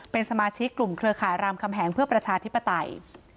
เป็นสมาชิกกลุ่มเครือข่ายรามคำแหงเพื่อประชาธิปไตย